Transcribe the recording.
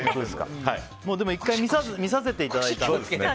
１回、見させていただいたので。